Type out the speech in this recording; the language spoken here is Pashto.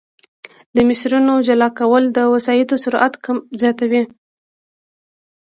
د مسیرونو جلا کول د وسایطو سرعت زیاتوي